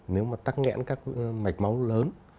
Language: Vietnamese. nếu mà tắc nghẽn các mạch máu lớn